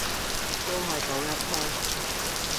都係賭一鋪